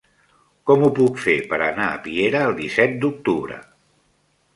Com ho puc fer per anar a Piera el disset d'octubre?